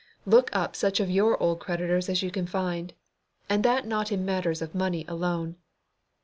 Look up such of your old creditors as you can find, and that not in matters of money alone.